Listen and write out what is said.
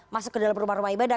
masuk ke dalam rumah rumah ibadah